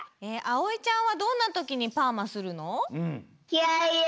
あおいちゃんはどんなときにパーマするの？